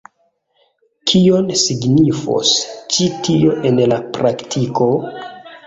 Kion signifos ĉi tio en la praktiko?